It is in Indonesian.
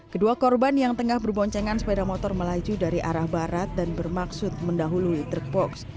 kedua korban yang tengah berboncengan sepeda motor melaju dari arah barat dan bermaksud mendahului truk box